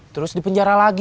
terus dipenjara lagi